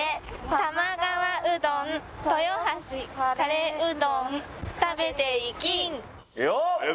「玉川うどん豊橋カレーうどん」「食べていきん！」